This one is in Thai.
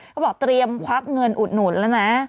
หรือบอกเตรียมควักเงินอุดหนุนละนะ